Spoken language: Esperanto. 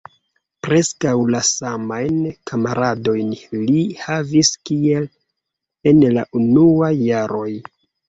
Preskaŭ la samajn kamaradojn li havis kiel en la unuaj jaroj.